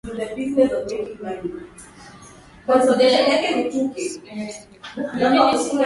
Ugonjwa wa majimoyo hauna jina la asili kwa ngamia